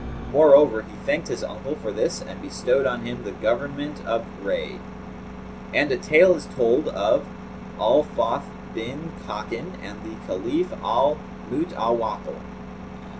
Moreover, he thanked his uncle for this and bestowed on him the government of Rayy. And a tale is told of AL FATH BIN KHAKAN AND THE CALIPH AL MUTAWAKKIL.